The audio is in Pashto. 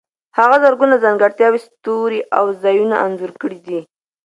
هغه زرګونه ځانګړي ستوري او ځایونه انځور کړي دي.